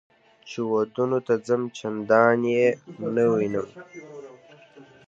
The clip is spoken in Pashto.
چې ودونو ته ځم چندان یې نه وینم.